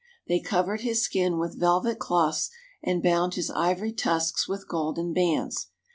They covered his skin with velvet cloths and bound his ivory tusks with golden bands.